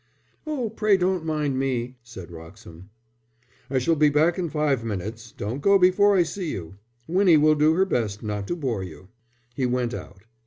"Oh, pray don't mind me," said Wroxham. "I shall be back in five minutes. Don't go before I see you. Winnie will do her best not to bore you." He went out.